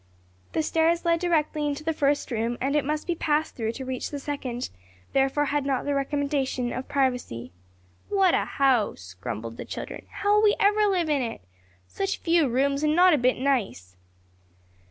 The stairs led directly into the first room and it must be passed through to reach the second; therefore had not the recommendation of privacy. "What a house!" grumbled the children; "how'll we ever live in it? Such a few rooms and not a bit nice."